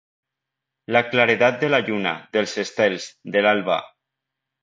La claredat de la lluna, dels estels, de l'alba.